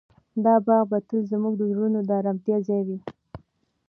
دا باغ به تل زموږ د زړونو د ارامتیا ځای وي.